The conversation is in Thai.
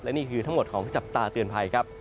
นี่คือทั้งหมดของจับตาเตือนภัยครับ